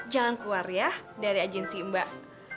jangan keluar ya dari agensi mbak